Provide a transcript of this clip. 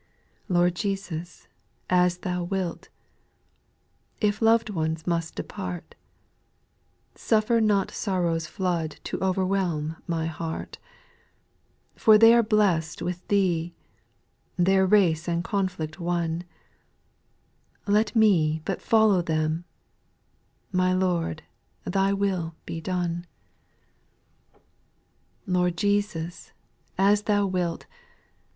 Lord Jesus, as Thou wilt I If lov'd ones must depart, Suffer not sorrow's flood To overwhelm my heart : For they are blest with Thee, Their race and conflict won, Let me but follow them, — My Lord, Thy will be done I SPIRITUAL SONGS, 139 6. Lord Jesus, as Thou wilt